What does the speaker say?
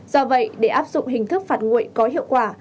do vậy để áp dụng hình thức phạt nguội có hiệu quả